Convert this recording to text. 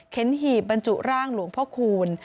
เข้นหยิบบรรจุร่างหลวงพระคูณ